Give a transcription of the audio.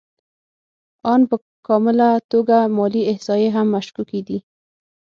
آن په کامله توګه مالي احصایې هم مشکوکې دي